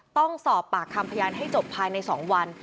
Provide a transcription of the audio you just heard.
ต้องสอบปากคำพยานให้จบภายใน๒วัน